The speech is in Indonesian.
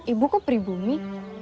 ibu kok pribumi